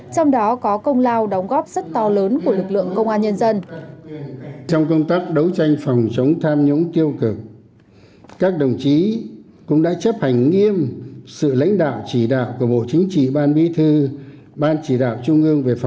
trong đó có công lao đóng góp rất to lớn của lực lượng công an nhân dân